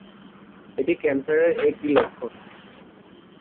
এটি ক্যান্সারের একটি লক্ষণ।